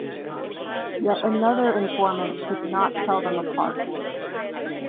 Yet another informant could not tell them apart.